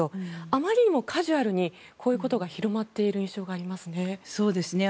あまりにもカジュアルにこういうことが広まっている印象がありますね。